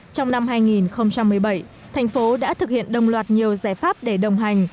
trong năm hai nghìn một mươi bảy thành phố đã thực hiện đồng loạt nhiều giải pháp để đồng hành